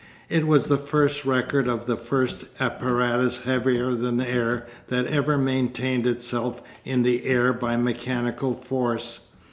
It was the first record of the first apparatus heavier than air that ever maintained itself in the air by mechanical force.